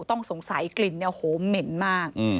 ต้องสงสัยกลิ่นเนี่ยโหเหม็นมาก